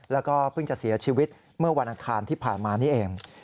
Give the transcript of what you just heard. แล้วก็เพิ่งจะเสียชีวิตเมื่อวันอังคารที่ผ่านมานี่เอง